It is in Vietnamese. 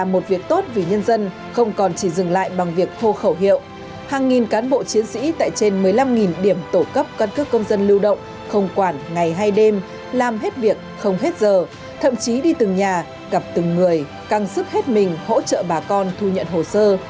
mỗi người càng giúp hết mình hỗ trợ bà con thu nhận hồ sơ